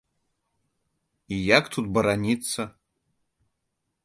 І як тут бараніцца?